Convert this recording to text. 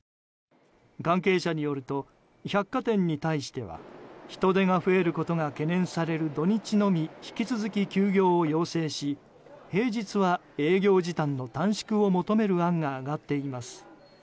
関係者によると百貨店に対しては人出が増えることが懸念される土日のみ、引き続き休業を要請し平日は営業時間の短縮を求める案が上がっています。